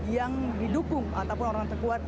yang didukung ataupun orang terkuat